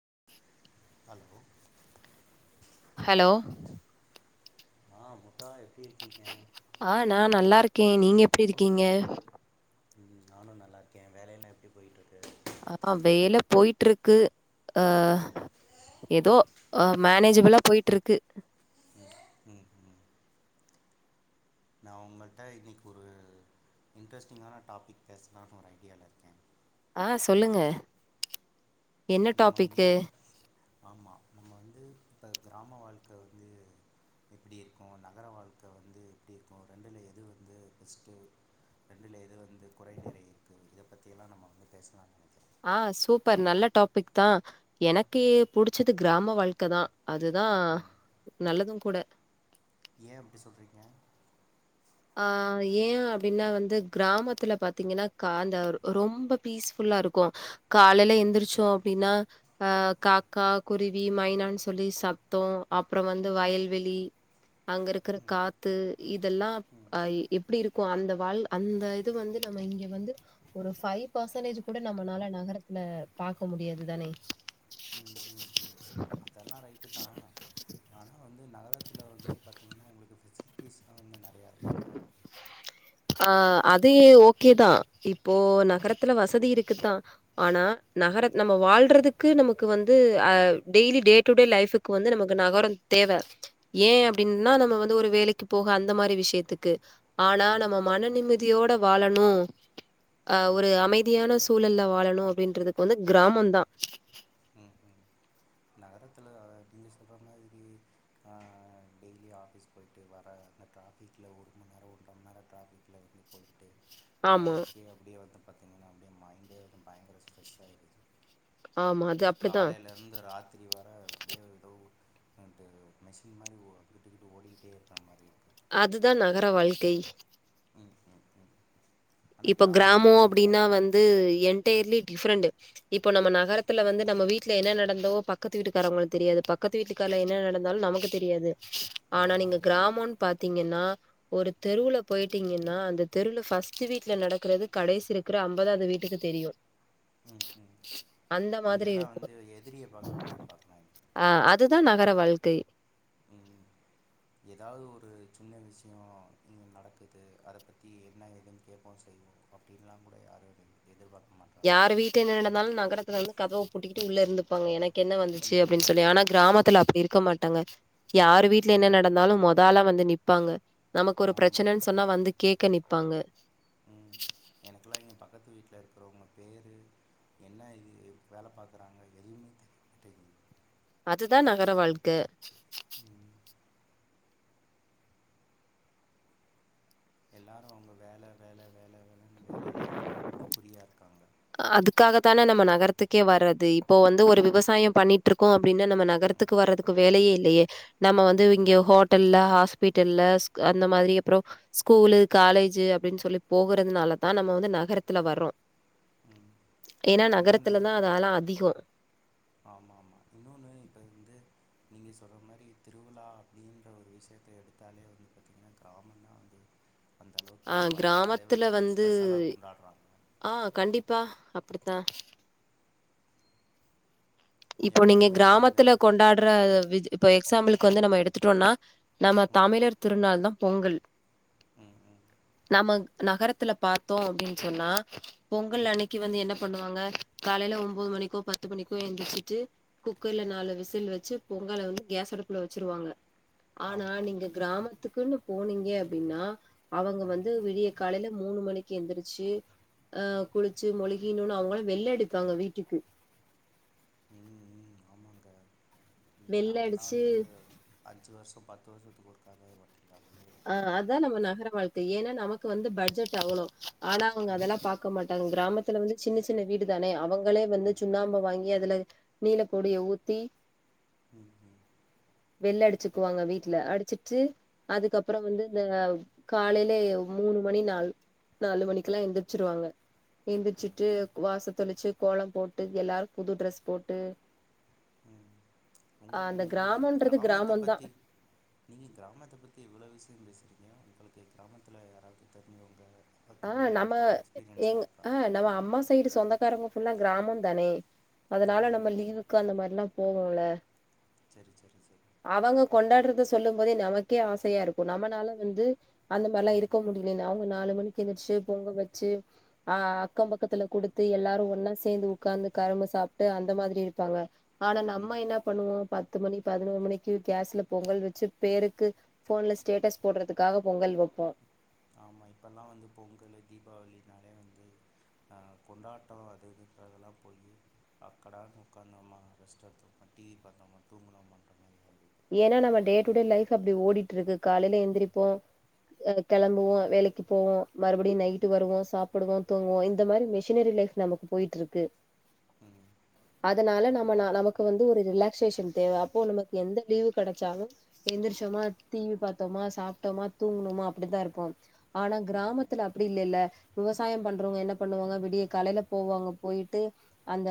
[inaudible] Hello hello ஆ எப்டி இருக்கீங்க ஆ நா நல்லா இருக்கே நீங்க எப்டி இருக்கீங்க உம் நானு நல்லா இருக்கே வேல எல்லா எப்டி போயிட்டு இருக்கு அப்றோ வேல போயிட்டு இருக்கு ஆ ம் எதோ மேனேஜ் அவ்வளா போயிட்டு இருக்கு நா உங்கள்ட்ட இன்னைக்கு ஒரு இன்ட்ரெஸ்டிங்கான டாபிக் பேசுலானு ஒரு ஐடியால இருக்கே ஆ சொல்லுங்க என்ன டாபிக்கு ஆமா நம்ம வந்து இப்போ கிராம வாழ்க்க வந்து எப்டி இருக்கு நகர வாழ்க்க வந்து எப்டி இருக்கு ரெண்டுல எது வந்து பெஸ்ட்டு ரெண்டுல எது வந்து கொறை நிரை இருக்குது இத பற்றியல்லா நம்ம வந்து பேசலா நெனக்குறே ஆ சூப்பர் நல்ல டாபிக் தா எனக்கு புடிச்சது கிராம வாழ்க்க தா அதுதா நல்லதுங் கூட ஏ அப்டி சொல்றீங்க ஆ ஏ அப்டின்னா வந்து கிராமத்ல பாத்தீங்கனா கா அந்த ரொம்ப பீஸ்ஃபுல்லா இருக்கு காலேல எந்துரிச்சோ அப்டின்னா அ காக்கா குருவி மைனான்னு சொல்லி சத்தோ அப்றோ வந்து வயல்வெளி அங்க இருக்குற ம் காத்து இதெல்லா ம் அ எப்டி இருக்கு அந்த வாழ் அந்த இது வந்து நம்ம இங்க வந்து ஒரு பைவ் பர்சன்டேஜ் கூட நம்மளால நகரத்துல பாக்க முடியாது தானே உம் உம் உம் அதெல்லா ரைட்டு தா ஆனா வந்து நகர த்துல வந்து பாத்தீங்கனா உங்களுக்கு [unintelligible] னா வந்து ந ஆ அது ஓகேதா இப்போ நகரத்துல வசதி இருக்குத்தா ஆனா நகர நம்ம வாழ்றதுக்கு நமக்கு வந்து அ டெய்லி டே டுடே லைஃபுக்கு வந்து நமக்கு நகரொ தேவ ஏ ம் அப்டின்னா நம்ம வந்து ஒரு வேலைக்கு போக அந்த மாரி விஷ்யத்துக்கு ஆனா ம் நம்ம ம் மன நிம்மதியோட வாழனு அ ம் ஒரு ம் அமைதியான சூழல்ல வாழனு அப்டின்றதுக்கு வந்து கிராமம்தா ம் ம் நகரத்துல நீங்க சொல்ற மாதிரி ஆ டெய்லி ஆஃபீஸ் போயிட்டு வர அந்த ட்ராஃபிக்ல ஒரு மண் நேர ஒன்ர மண் நேர ட்ராஃபிக்ல நின்னு போயி்ட்டு ஆமா வரதுக்கே அப்டியே வந்து பாத்திங்கனா அப்டியே மைண்டே வந்து பயங்கர ஸ்ட்ரெஸ் ஆயிருது ஆமா அது அப்டிதா காலைலெருந்து ராத்திரி வர அப்டியே ஏதோ [unintelligible] மெஷின் மாரி ஓ அங்கிட்டு இங்கிட்டு ஓடிகிட்டே இருக்குற மாரி இருக்கு அதுதா நகர வாழ்க்கை ம் ம் ம் ஆனா இப்ப கிராமத்துல கிராமோ அப்படியெல்லா அப்டின்னா இல்ல வந்து ம் என்டயர்லி டிஃப்ரெண்டு இப்பொ நம்ம நகரத்துல வந்து நம்ம வீ ட்ல என்ன நடந்தவோ பக்கத்து வீட்டுக்காரவுங்களுக்கு தெரியாது பக்கத்து வீட்டுக்கார்ல என்ன நடந்தாலு நமக்கு தெரியாது ஆனா நீங்க ஆமாங்க்கா கிராமொன் பாத்தீங்கன்னா ஒரு தெருவுல போயிட்டீங்கன்னா அந்த தெருல ஃபஸ் ட்டு வீட்ல நடக்குறது கடைசி இருக்குற அம்பதாது வீட்டுக்கு தெரியு ம் ம் அந்த மாதிரி இங்கெல்லா இருக்கு வந்து எதிரிய பாக்குற மாரி பாக்குறாங்க அ அதுதா நகர வாழ் க்கை ம் ம் எதாவுது ஒரு சின்ன விஷயோ இங்க நடக்குது அத பத்தி என்ன ஏதுன் கேப்போ செய்வோ அப்டின்லா கூட யாரு எதிர்பாக் யாரு வீட்ல என்ன நடந்தாலு நகரத்துல வந்து கதவ பூட்டிக்கிட்டு உள்ள இருந்துப்பாங்க எனக்கு என்ன வந்துச்சு ம் அப்டின் சொல்லி ஆனா கிராம த்துல அப்டி இருக்க மாட்டாங்க யாரு வீட்ல என எனக் நடந்தாலு மொத ஆளா வந் து நிப்பாங்க நமக்கொரு ஆமா பிரச்சனன் சொன்னா வந்து கேக்க நிப்பாங்க ம் எனக்குலா இங்க பக்கத்து வீட்ல இருக்றவுங்க பேரு என்ன இது வேல பாக்குறாங்க எதுவ்மே தெரிய மாட்டெங்கிது அதுதா நகர வாழ்க்க ம் எல்லாரு அவுங்க வேல வேல வேல வே லன் வேலைலயே தா வந்து குறியா இருக்காங்க அதுக்காகதானே நம்ம நகரத்துக்கே வர்றது இப்போ வந்து ஒரு விவசாய பண்ணிட்ருக்கோ அப்டின்னா நம்ம ம் நகரத்துக்கு வர்றதுக்கு வேலயே இல்லயே நம்ம வந்து ம் இங்க ஹோட்டல்ல ஹாஸ் பிட்டல்ல அந்த மாரி அப்றொ ஸ்கூலு காலேஜு அப்டின் சொல்லி போகுறதுனாலத்தா நம்ம வந்து நகரத்துல வரோ ம் ஏனா இன்னொன்று நகரத்துலதா அது ஆனா அதிகொ ஆமாம் ஆமாம் இன்னொன்று இப்போ வந்து நீங்கள் சொல்ற மாரி திருவிழா அப்டின்ற ஒரு விஷயத எடுதாலே வந்து பாதீங்கனா கிராமதாந்து அ கிராமதுல வந்து ஸ்பெஷலாக கொண்டாடுறாங்க ஆ கண்டிபா அப்டிதா இபோ நீங்க எல்லாருமே வந்து கிராமதுல கொண்டாடுற விது இபோ எக்ஸாம்பிளகுந்து நம எடுதுடோம்னா நம ம் தமிழர் திருநாள் தா பொங்கல் ம் ம் நாம நகரதுல பாதோ அப்டினு சொனா பொங்கல் ம் அன்னகி வந்து என பணுவாங்க காலயில ஒம்பது மணிகோ பத்து மணிகோ எந்திச்சி ட்டு குகர்ல நாலு விசில் வச்சு பொங்கல வந்து கேஸ் அடுபுல வச்சிருவாங்க ஆனா ஆமாம் நீங்க கிராமதுகுனு போனீங்க அப்டினா அவங்க ம் வந்து விடிய காலயில மூணு மணிகு எழுந்திச்சு அ குளிச்சு மொலிகணுனு அவங்களா வெள்ள அடிபாக வீட்டுகு வெள்ள நாங்கலா அடிச்சு வந்து அஞ்சு வருஷ பாத் சொத்து கொடுக்கவே [inaudible] ஆ அதா நம்ம நகர வாழ்கை ஏனா நமக்கு வந்து பட்ஜெட் அவ்ளோ ஆனா அவங்க ம் அதெலா பாக்க மாட் கிராமதில வந்து சின்ன சின்ன வீடு தானே அவங்க அவங்களே வந்து ம் சுண்ணாம வாங்கி அது அதுல நீல பொடிய ஊத்தி ம் ம் வெள்ள அடிசுகுவாங்க வீட்ல அடிசுட்டு அதுகபுறோ வந்து இந்த காலயில மூணு மணி நாள் நாலு மணிக்குலா எந்திசிருவாங்க ம் எந்திரிச்சுடு வாசதெளிச்சு கோலப் போட்டு எலாரும் புது ட்ரெஸ் போட்டு ம் அ உங்களுக்கு அந்த கிராம நீங்கள் கிராமத்தை பத்தி நீங்க கிராமத்தை பத்தி இவ்வளோ விஷயோ பேசி [unintelligible] [unintelligible] உங்களுக்கு கிராமத்துல யாராச்சு தெரிஞ்சவங்க இப்போ ஆ நம்ம கிராமத்தில் போகிற எங் எக்ஸ்பீரியன்ஸ்லாம் இருக்கா ஆ நம்ம அம்மா சைடு சொந்தக்காரங்க புல்லா கிராமம் தானே ஓ அதனால நம்ம லீவுக்கு அந்த மாரில்லா போகும்ள சரி சரி சரி அவங்க கொண்டாட்றது சொல்லு போது நமக்கே ஆசையா இருக்கு நம்மனால வந்து அந்த மாரில ம் இருக்க முடியிலனாவ் ஒரு நாலு மணி எந்துருச்சு பொங்க வச்சு ஆ அக்கம் பக்கத்துல குடுத்து எல்லாரும் ஒன்னா சேந்து உக்காந்து கரம்ப சாப்ட்டு அந்த மாரி இருப்பாங்க ஆனா ம் நம்ம என்ன பண்ணுவோ பத்து மணி பதினோரு மணிக்கு கேஸ்ல பொங்கல் வச்சு பேருக்கு ஃபோன்ல ஸ்டேட்டஸ் போடுறதுகாக பொங்கல் வப்போ ஆமா இப்பெல்லா வந்து பொங்கலு தீபாவளி நறைய வந்து அ கொண்டாட்டோ அது இதுங்றதெல்லா போயி அக்கடானு உக்காந்தமா ரெஸ்ட் எடுத்தோமா டி வி பாத்தோம்மா தூங்கினோமான்ற மாரி வந் ஏன்னா நம்ம டேடுடே லைப் அப்டி ஓடிட்டிருக்கு காலேல எந்திருப்போ கிளம்புவோ வேலைக்கு போவோ மறுபடியும் நைட்டு வருவோ சாப்டுவோ தூங்குவோ இந்த மாரி மிஷினரி லைஃப் நமக்கு போய்ட்டிருக்கு ம் அதனால நம்மனால நமக்கு வந்து ஒரு ரிலாக்சேஷன் தேவ அப்போ நமக் எந்த லீவு கெடச்சாலும் எந்திரிச்சோமா டி வி பாத்தோமா சாப்ட்டோமா தூங்ணுமா அப்டிதா இருப்போ ஆனா ம் ம் கிராமத்துல அப்டி இல்லல்ல விவசாயம் பண்றவங்க என்ன பண்ணுவாங்க விடிய காலேல போவாங்க போய்ட்டு அந்த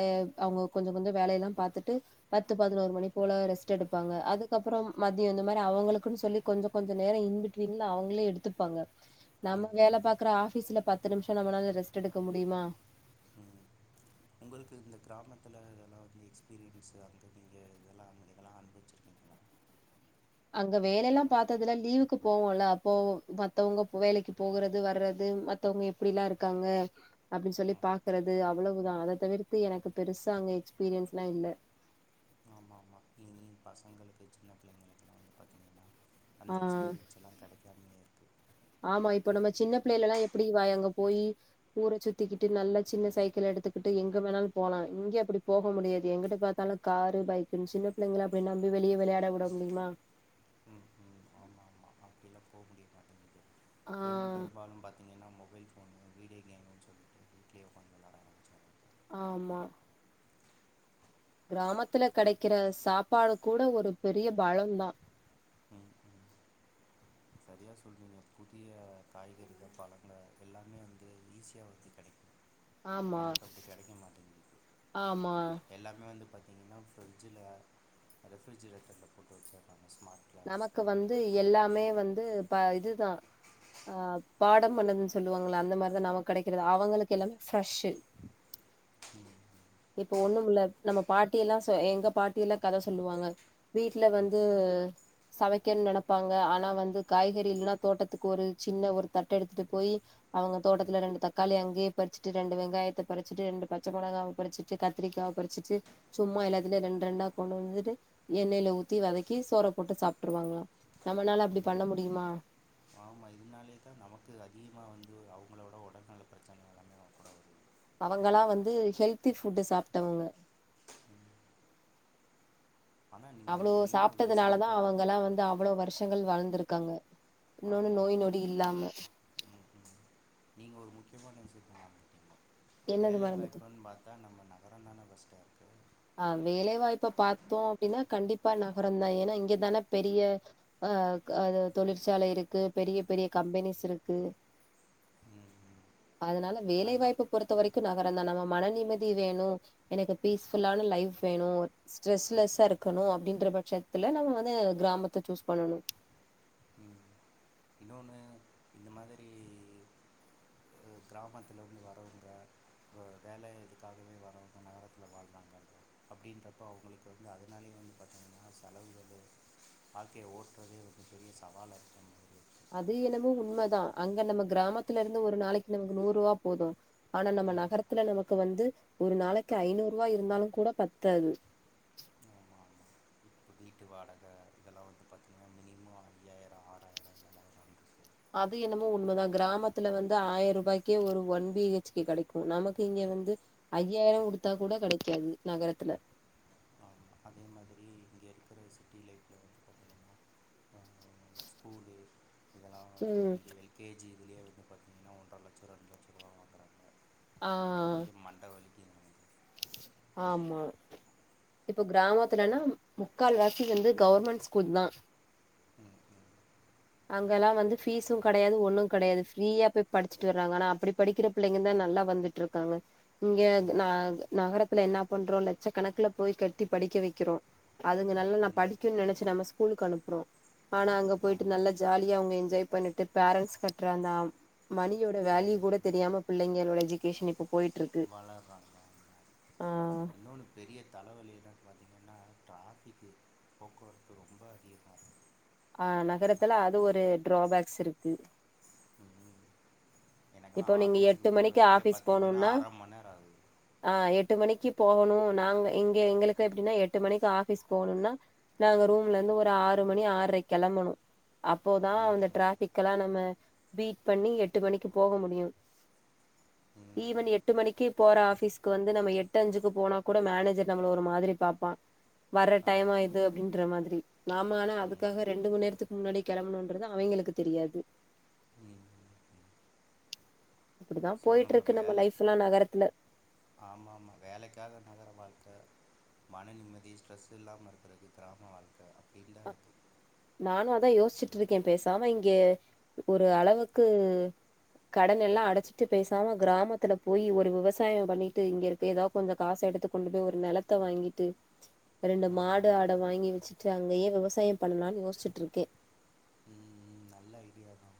ஏ அவுங்க கொஞ்ச கொஞ்ச வேலையெல்லா பாத்துட்டு பத்து பதினொரு மணி போல ரெஸ்ட் எடுப்பாங்க அதுக்கப்பறம் மத்யம் இந்த மாரி அவுங்களுக்குனு சொல்லி கொஞ்சோ கொஞ்சோ நேரோ இன்பிட்வின்ல அவுங்ளே எடுத்துப்பாங்க ம் நம்ம ம் வேல பாக்குற ஆஃப் ஆபீஸ்ல பத்து நிம்ஷோ நம்மளால ரெஸ்ட் எடுக்க முடியுமா ம் உங்களுக்கு இந்த கிராமத்துல இதெல்லா வந்து எக்ஸ்பீரியன்ஸ் அங்க நீங்க இதெல்லா இதெல்லா அனுபவிச்சிருக்கீங்களா அங்க வேலெல்லா பாத்ததில்ல லீவுக்கு போவோல அப்போ மத்தவங்க வேலக்கு போகுறது வர்றது மத்தவங்க எப்டிலா இருக்காங்க அப்டின்னு சொல்லி ஆ பாக்றது அவ்ளோ தா அத தவிர்த்து எனக்கு பெருசா அங்க எக்ஸ்பீரியன்ஸ்லா இல்ல ஆமா இங்யு பசங்ளுக்கு சின்ன பிள்ளங்களுக்கெல்லா வந்து பாத்திங்கன்னா ஆ அந்த எக்ஸ்பீரியன்ஸ் எல்லா கெடைக் ஆமா இப்ப நம்ம சின்ன பிள்ளேலெல்லா எப்டி வாய் அங்க போயி ஊர சுத்திக்கிட்டு நல்லா சின்ன சைக்கிள் எடுத்துக்கிட்டு எங்க வேணாலும் போலா இங்க அப்டி போக முடியாது எங்கிட்டு பாத்தாலும் காரு பைக்குன்னு சின்ன பிள்ளேங்கள அப்டி நம்பி வெளிய வெளாட வுட முடிமா ம் ம் ஆமாம் ஆமாம் அப்படிலாம் போக முடிய மாட்டேங்குது ஆ பெரும்பாலும் பாத்திங்கன்னா மொ மொபைல் ஃபோனு வீடியோ கேமுன்னு சொல்லிட்டு வீட்லயே உக்காந்து வெளாட வச்சுருவாங்க ஆமா கிராமத்துல கெடைக்கிற சாப்பாடு கூட ஒரு பெரிய பலம் தா செரியா சொல்றீங்க புதிய காய்கறிக பழங்க எல்லாமே வந்து ஈஸியா வந்து கெடைக்கும் ஆமா நமக்கு அப்டி கெடைக்க மாட்டேங்து ஆமா எல்லாமே வந்து பச் இங்குனா ஃப்ரிட்ஜ்ல [unintelligible] தா இதுதா ஆ பாடம் பண்ணதுன்னு சொல்லுவாங்க இல்ல அந்த மாரி தா நமக் கெடைக்கறது அவங்களுக்கு எல்லாமே ஃப்ரெஷ்ஷூ ம் இப்ப ஒன்னுமில்ல நம்ம பாட்டி எல்லா சொ எங்க பாட்டி எல்லா கத சொல்லுவாங்க வீட்ல ம் வந்து சமைக்கன்னு நெனைப்பாங்க ஆனா வந்து காய்கறி இல்லனா தோட்டத்துக்கு ஒரு சின்ன ஒரு தட்டு எடுத்துட்டு போய் அவுங்க ம் தோட்டத்துல ரெண்டு தக்காளி அங்கேயே பறிச்சுட்டு ரெண்டு வெங்காயத்த பறிச்சுட்டு ரெண்டு பச்ச மொளகாவ பறிச்சுட்டு கத்திரிக்காவ பறிச்சுட்டு சும்மா எல்லாத்திலியு ரெண்டு ரெண்டா கொண்டு வந்துட்டு எண்ணெல ஊத்தி வதக்கி சோறப் போட்டு சாப்ட்டுருவாங்களாம் நம்மனால அப்டி பண்ண முடியுமா ஆமா இதனாலே தா நமக்கு அதிகமா வந்து அவுங்களோட உடல்நல பிரச்சனை எல்லாமே வர கூடாது அவுங்களா வந்து ஹெல்தி ஃபுட்ட சாப்டவங்க ம் ஆனால் நீங்கள் அவ்ளோ ஒரு மெயினாக ஒரு சாப்டதுனால தா விஷயத்த அவங்கெல்லாம் வந்து அவ்ளோ வருஷ் சங்கள் வாழ்ந்திருக்காங்க இன்னென்னு ஆமாம் நோய் ஆமாம் நொடி இல்லாம முக்கியமான் விஷயத்த மறந்துடீங்க என்னது வேலை மறந்துட்ட வாய்ப்புன்னு பாத்தா நம்ம நா வரண்டானா பஸ்ட்ட இருக்கு ஆ வேலைவாய்ப்ப பாத்தோ அப்டினா கண்டிப்பா நகரம் தா ஏனா இங்கதான பெரிய அ அது தொழிற்சாலை இருக்கு பெரிய பெரிய கம்பெனிஸ் இருக்கு ம் ம் அதனால வேலை அதனால் வாய்ப்ப பொறுத்த வரைக்கும் நக இப்ப அந்த நம்ம மன நிம்மதி வேணும் எனக்கு பீஸ் தில்லான. லைப் வேணும் ஸ்ட்ரெஸ்லெஸ்ஸா இருக்கணும் அப்படின்ற பட்சத்துல நம்ம வந்து கிராமத்த சூஸ் பண்ணணும் இன்னொன்னு இந்த மாதிரி கிராமத்தில இருந்து வரவுங்க வேலை எதுக்காகவே வரவுங்க நகரத்தில் வாழ்ராங்க அப்படின்றப்போ அவுங்களுக்கு வந்து அதனாலயும் வந்து பார்த்திங்கன்னா செலவுகள் வாழ்க்கையை ஓட்றதே வந்து பெரிய சவாலா இருக்கும் அது என்னமோ உண்மைதான் அங்க நம்ம கிராமத்துல இருந்து ஒரு நாளைக்கு நமக்கு நூறுவா போதும் ஆனா நம்ம ம் நகரத்துல நமக்கு வந்து ஒரு நாளைக்கு ஐநூறுவா இருந்தாலும் கூட பத்தாது ஆமாம் ஆமாம் இப்போ வீட்டு வாடகை இதெல்லாம் வந்து பார்த்தீங்கன்னா மினிமம் ஐயாயிரம் ஆறாயிரம் இந்த மாதிரி தான் வந்துச்சு அது என்னமோ உண்மைதான் கிராமத்துல வந்து ஆயிரம் ரூபாய்க்கே ஒரு ஒன் பி ஹச் கே கெடைக்கும் நமக்கு இங்க வந்து ஐயாயிரம் குடுத்தா கூட கெடைக்காது நகரத்துல ஆமாம் அதே மாதிரி இங்கே இருக்கிற சிட்டி லைஃப்ல வந்து பார்த்திங்கன்னா ஸ்கூலு இதெல்லாம் இப்போ ம் வந்து எல்கேஜி இதுலேயே வந்து பார்த்திங்கன்னா ஒன்றரை லட்சம் ரெண்டு லட்ச ரூபா வாங்குறாங்க ஆ அதுக்கே மண்ட வலிக்குது நமக்கு ஆமா இப்ப கிராமத்துலன்னா முக்கால் வாசி வந்து கவர்மெண்ட் ஸ்கூல் தான் ம் ம் அங்க எல்லாம் வந்து ஃபீஸும் கெடையாது ஒண்ணும் கெடையாது ஃப்ரீயா போய் படிச்சுட்டு வர்றாங்க ஆனா அப்படி படிக்கிற பிள்ளைங்க தான் நல்லா வந்துட்டு இருக்காங்க இங்க ம் ந நகர த்துல என்ன பண்றோம் லட்ச கணக்குல போய் கட்டி படிக்க வைக்கிறோம் அதுங்க நல்லா ம் படிக்கும்னு நினைச்சு நம்ம ஸ்கூலுக்கு அனுப்புறோம் ஆனா அங்க போயிட்டு ஆமாம் நல்லா ஜாலியா அவுங்க என்ஜாய் பண்ணிட்டு பேரண்ட்ஸ் கட்டுற அந்த மணியோட ஆமாம் வேல்யூ கூட தெரியாம பிள்ளைங்களோட எஜிகேஷன் இப்ப போயிட்டு இருக்கு வல கானுங்க ஆ இன்னொன்னு பெரிய தலைவலி என்னன்னு பார்த்தீங்கன்னா டிராபிக்கு போக்குவரத்து ரொம்ப அதிகமா இருக்கு ஆ நகரத்துல அது ஒரு டிராபேக்ஸ் இருக்கு ம் இப்போ எனக்கெல்லாம் நீங்க ஆஃபீஸுக்கு எட்டு மணிக்கு போகிறதுக்கே ஆபிஸ் பார்த்தீங்கன்னா போனும்னா அரை மணி நேரம் ஆகுது ஆ எட்டு மணிக் க்கு போகனும் நாங்க இங்க எங்களுக்கு எப்டின்னா எட்டு மணிக்கு ஆபிஸ் போணும்னா நாங்க ரூம்ல இருந்து ஒரு ஆறு மணி ஆரைக்கு கெளம்பணும் அப்போதான் ம் அந்த ம் டிராபிக்லாம் நம்ம பீட் பண்ணி எட்டு மணிக்கு போக முடியும் ம் ஈவன் எட்டு மணிக்கு போற ஆபீஸ்க்கு வந்து நம்ம எட்டு அஞ்சுக்கு போனா கூட மேனேஜர் நம்மள ஒரு மாதிரி பார்ப்பான் வர்ற டைமா ஆமாம் இது அப்படின்ற மாதிரி நாம ஆனா ஆமாம் ம் அதுக்காக ரெண்டு மணி நேரத்துக்கு முன்னாடி கிளம்பணும்ன்றது அவிங்களுக்கு தெரியாது இப்டிதா சோ நம்ம போயிட்ருக்கு வேலைக்கு லைஃப்லா நகரத்துல ஆமா ஆமா வேலைக்காக நகர வாழ்க்கை மன நிம்மதி ஸ்ட்ரெஸ் இல்லாம இருக்குறது கிராம வாழ்க்கை அப்படின்னு தான் அப் இருக்குது நானும் அதான் யோசிச்சுட்டு இருக்கேன் பேசாம இங்க ஒரு அளவுக்கு கடன் எல்லாம் அடைச்சிட்டு பேசாம கிராமத்துல போய் ஒரு விவசாயம் பண்ணிட்டு இங்க இருக்க ஏதாவது கொஞ்சம் காச எடுத்து கொண்டு போய் ஒரு நெலத்தை வாங்கிட்டு ரெண்டு ஆமாம் மாடு ஆட ஆமாம் வாங்கி வச்சுட்டு அங்கயே விவசாயம் பண்ணலாம்ன்னு யோசிச்சுட்டுருக்கேன் ம் நல்ல ஐடியா தான்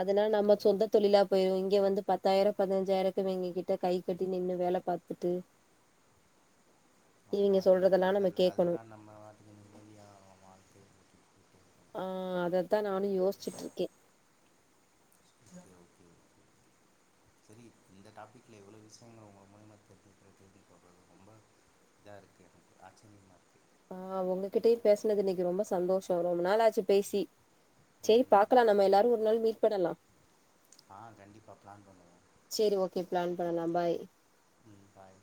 அதனால நம்ம சொந்த தொழிலா போயிரும் இங்க வந்து பத்தாயிரம் பதினஞ்சாயிரக்கு இவிங்க கிட்ட கை கட்டி நின்னு வேலை பாத்துட்டு இவிங்க ஆமாம் பெரிய தலவலி அதுதான் நம்ம வாட்டுக்கு நிம்மதியா இருப்போம் ஆ அதத்தான் நானும் யோசிச்சுட்டு இருக்கேன் ஓகே ஓகே ஓகே சரி இந்த டாப்பிக்கில இவ்ளோ விஷயங்கள உங்க முழியமா தெரிஞ்சிக்கிறதுனு போடுறது ரொம்ப இதா இருக்குது எனக்கு ஆச்சரியமா இருக்கு ஆ உங்ககிட்டயையும் பேசினது இன்னைக்கு ரொம்ப சந்தோஷம் ரொம்ப நாள் ஆச்சு பேசி சேரி பாக்கலாம் நம்ம எல்லாரும் ஒரு நாள் மீட் பண்ணலாம் ஆ கண்டிப்பா பிளான் பண்ணுவோம் கே பிளான் பண்ணலாம் பாய் ம் பாய்